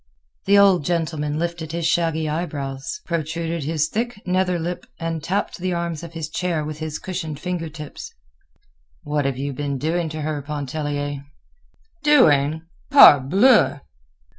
The old gentleman lifted his shaggy eyebrows, protruded his thick nether lip, and tapped the arms of his chair with his cushioned fingertips. "What have you been doing to her, Pontellier?" "Doing! _Parbleu!